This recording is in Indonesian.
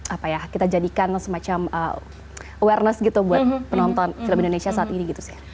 apa ya kita jadikan semacam awareness gitu buat penonton film indonesia saat ini gitu sih